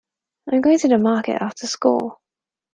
I'm going to the market after school.